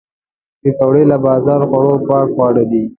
پکورې له بازار خوړو پاک خواړه دي